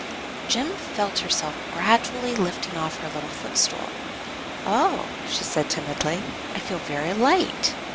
Jem felt herself gradually lifted off her little footstool. "Oh!" she said, timidly, "I feel very light."